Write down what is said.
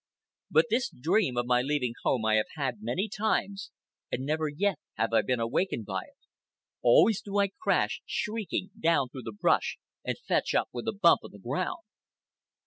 But this dream of my leaving home I have had many times, and never yet have I been awakened by it. Always do I crash, shrieking, down through the brush and fetch up with a bump on the ground.